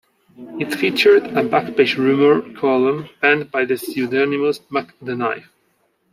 It featured a back-page rumor column penned by the pseudonymous Mac the Knife.